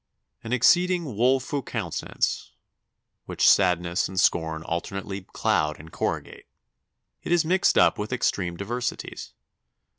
An exceeding 'woeful countenance,' which sadness and scorn alternately cloud and corrugate. It is mixed up with extreme diversities.